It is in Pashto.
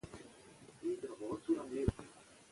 که سپوږمکۍ وي نو خپرونه نه بندیږي.